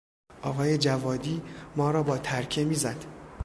آقای جوادی ما را با ترکه میزد.